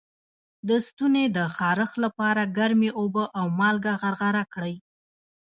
د ستوني د خارش لپاره ګرمې اوبه او مالګه غرغره کړئ